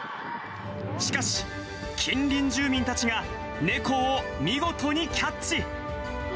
しかし、近隣住民たちが猫を見事にキャッチ！